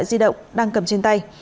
điện thoại di động đang cầm trên tay